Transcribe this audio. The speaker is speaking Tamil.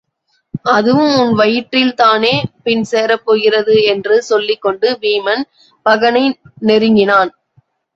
அதுவும் உன் வயிற்றில் தானே பின் சேரப்போகிறது என்று சொல்லிக் கொண்டு வீமன் பகனை நெருங்கினான்.